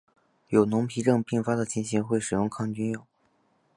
有脓皮症并发的情形会使用抗菌药。